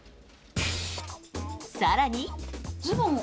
さらに。